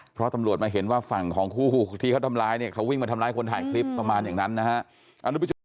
เพราะตำรวจมาเห็นว่าฝั่งของคู่ที่เขาทำร้ายเนี่ยเขาวิ่งมาทำร้ายคนถ่ายคลิปประมาณอย่างนั้นนะฮะ